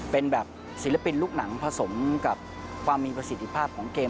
เป็นแบบศิลปินลูกหนังผสมกับความมีประสิทธิภาพของเกม